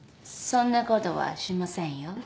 そんなことはしませんよ。